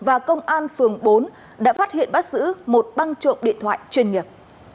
an phường bốn đã phát hiện bắt giữ một băng trộm điện thoại chuyên nghiệp